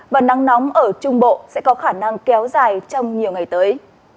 và nắng nóng ở trung bộ sẽ có khả năng kéo dài trong nhiều ngày tới